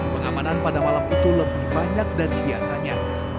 pengamanan pada malam itu lebih banyak dari biasanya